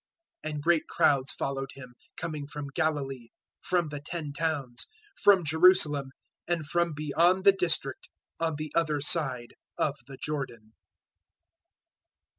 004:025 And great crowds followed Him, coming from Galilee, from the Ten Towns, from Jerusalem, and from beyond the district on the other side of the Jordan.